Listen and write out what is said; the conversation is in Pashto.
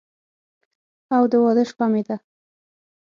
او د واده شپه مې ده